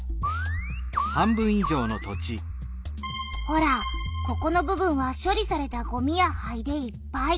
ほらここの部分は処理されたごみや灰でいっぱい。